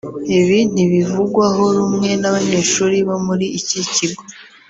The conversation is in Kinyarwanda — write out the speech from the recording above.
Ibi ntibivugwaho rumwe n’abanyeshuri bo muri iki kigo